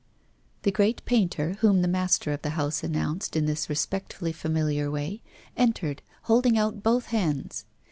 The great painter, whom the master of the house announced in this respectfully familiar way, entered, holding out both hands.